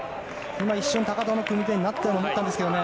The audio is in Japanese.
今、一瞬高藤の組み手になったと思ったんですけどね。